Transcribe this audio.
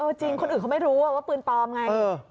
จริงคนอื่นเขาไม่รู้ว่าปืนปลอมไง